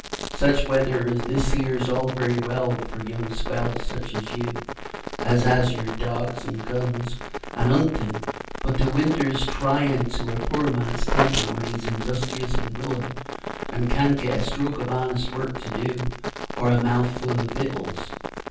"Such weather as this here's all very well for young swells such as you, as has your dawgs, and guns, and 'untin'; but the winter's tryin' to a poor man's temper when he's industrious and willin', and can't get a stroke of honest work to do, or a mouthful of vittals.